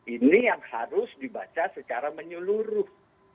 ini yang harus dibaca secara menyeluruh